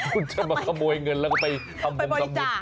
คุณจะมาขโมยเงินแล้วก็ไปทำบุญไปบริจาค